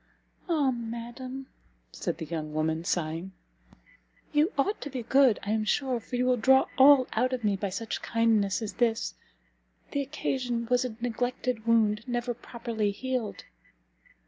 "Ah madam!" said the young woman, sighing, "you ought to be good, I am sure, for you will draw all out of me by such kindness as this! the occasion was a neglected wound, never properly healed."